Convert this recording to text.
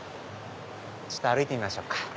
ちょっと歩いてみましょうか。